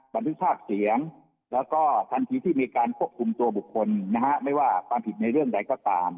บันทึกภาพเสียงแล้วก็ทันทีที่มีการควบคุมตัวบุคคลนะฮะไม่ว่าความผิดในเรื่องใดก็ตาม